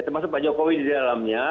termasuk pak jokowi di dalamnya